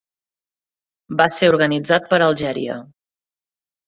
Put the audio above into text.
Va ser organitzat per Algèria.